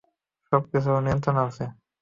সবকিছু ওর নিয়ন্ত্রণে আছে।